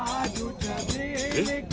「えっ？」